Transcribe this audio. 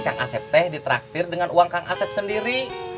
kang asep teh ditraktir dengan uang kang asep sendiri